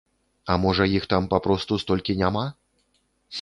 А можа, іх там папросту столькі няма?